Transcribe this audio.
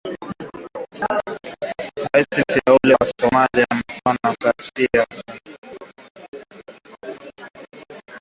Rais mteule wa Somalia anakaribisha taarifa kwamba kikosi maalum cha mkakati cha Marekani